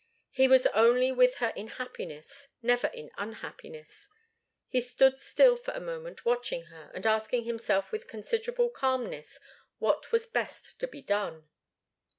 He was only with her in happiness, never in unhappiness. He stood still for a moment watching her, and asking himself with considerable calmness what was best to be done.